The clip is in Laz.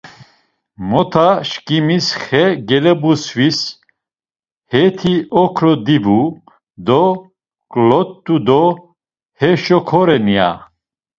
Mota çkimis xe gelebusviis heti okro divu, do ǩlotu do heşo koren ya.